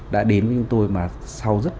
đã đến với chúng tôi mà sau rất